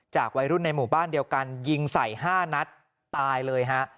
วัยรุ่นในหมู่บ้านเดียวกันยิงใส่๕นัดตายเลยฮะ